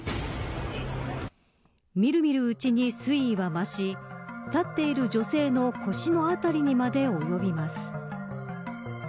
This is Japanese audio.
みるみるうちに水位は増し立っている女性の腰の辺りにまで及びます。